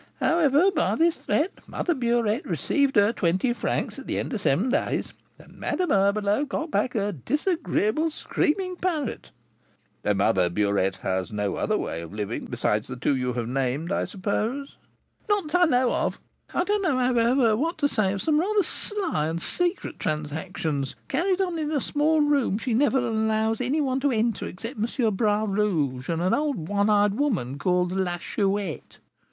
However, by this threat Mother Burette received her twenty francs at the end of seven days, and Madame Herbelot got back her disagreeable, screaming parrot." "Mother Burette has no other way of living besides the two you have named, I suppose?" "Not that I know of. I don't know, however, what to say of some rather sly and secret transactions, carried on in a small room she never allows any one to enter, except M. Bras Rouge and an old one eyed woman, called La Chouette."